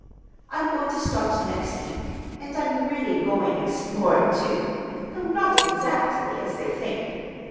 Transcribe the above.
I'm going to start next week, and I'm really going exploring, too—though not exactly as they think.